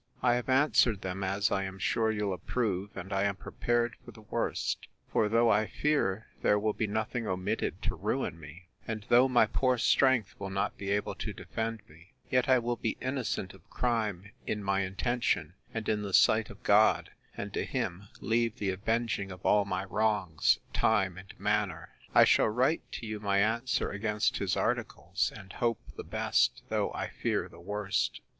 I have answered them, as I am sure you'll approve; and I am prepared for the worst: For though I fear there will be nothing omitted to ruin me, and though my poor strength will not be able to defend me, yet I will be innocent of crime in my intention, and in the sight of God; and to him leave the avenging of all my wrongs, time and manner. I shall write to you my answer against his articles; and hope the best, though I fear the worst.